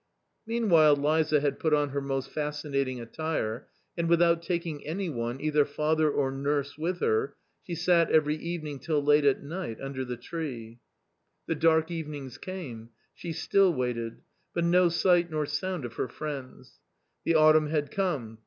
Meanwhile Liza had put on her most fascinating attire, and without taking any one, either father or nurse with her, she sat every evening till late at night under the tree. The dark evenings came ; she still waited ; but no sight nor sound of her friends. The autumn had come.